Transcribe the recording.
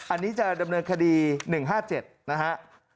อันนี้จะดำเนินคดี๑๕๗นะฮะ